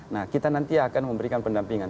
nah kita nanti akan memberikan pendampingan